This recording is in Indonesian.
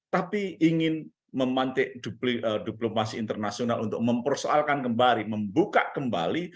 tapi ingin memantik diplomasi internasional untuk mempersoalkan kembali membuka kembali